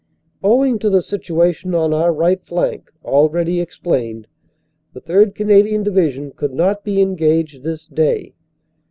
"Owing to the situation on our right flank, already ex plained, the 3rd. Canadian Division could not be engaged this day.